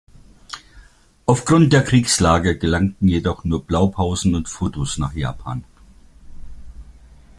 Aufgrund der Kriegslage gelangten jedoch nur Blaupausen und Fotos nach Japan.